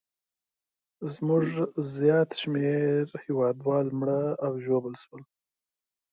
زموږ زیات شمېر هیوادوال مړه او ژوبل شول.